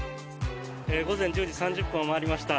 午前１０時３０分を回りました。